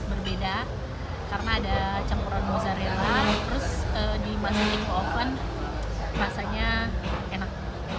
berbeda karena ada campuran mozzarella terus dimasak di oven masaknya enak